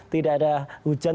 tidak ada hujan